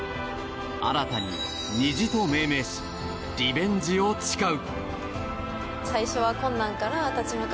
新たに、虹と命名しリベンジを誓う。